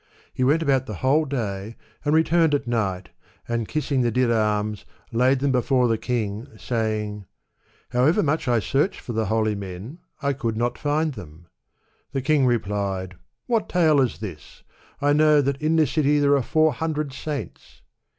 He went about the whole day, and returned at night, and, kissing the dirams, laid them before the lung, saying, '' However much I searched for the holy men, I could not find them." The king replied, ''What tale is this? I know that in this city there are four hundred saints."